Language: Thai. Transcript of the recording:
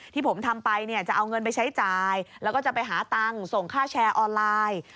ที่ผมทำไปเนี่ยจะเอาเงินไปใช้จ่ายแล้วก็จะไปหาตังค์ส่งค่าแชร์ออนไลน์